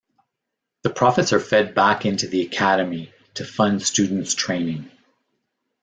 The profits are fed back into the Academy to fund students' training.